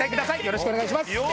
よろしくお願いします。